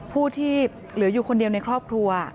ผู้ที่เหลืออยู่คนเดียวในครอบครัว